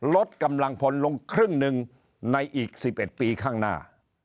ลดกำลังพลลงครึ่งหนึ่งในอีก๑๑ปีข้างหน้า